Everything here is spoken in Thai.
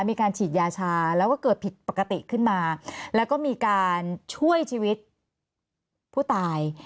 มีการฉีดยาชาแล้วก็เกิดผิดปกติขึ้นมาแล้วก็มีการช่วยชีวิตผู้ตาย